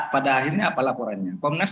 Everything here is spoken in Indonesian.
pada akhirnya apa laporannya komnas